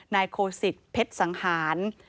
นายโคสิตเพชรสังหาร